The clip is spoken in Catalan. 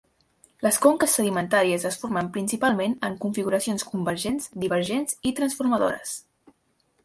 Les conques sedimentàries es formen principalment en configuracions convergents, divergents i transformadores.